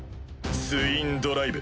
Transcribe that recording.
ツインドライブ！